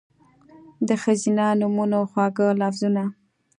د ښځېنه نومونو، خواږه لفظونه